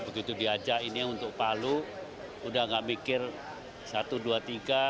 begitu diajak ini untuk palu udah gak mikir satu dua tiga